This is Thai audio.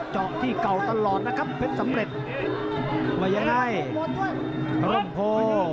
เจาะที่เก่าตลอดนะครับเพชรสำเร็จว่ายังไงร่มโพ